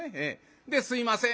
で「すいません」